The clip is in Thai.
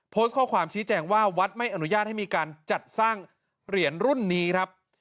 โพสต์ข้อความชี้แจงว่าวัดไม่อนุญาตให้มีการจัดสร้างเหรียญรุ่นนี้ครับ